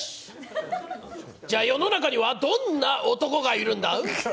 世の中にはどんな男がいるんだ？